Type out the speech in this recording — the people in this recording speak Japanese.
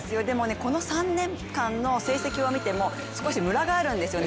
この３年間の成績を見ても少しむらがあるんですよね。